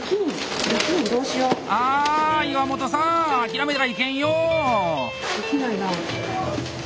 あ岩本さん諦めたらいけんよ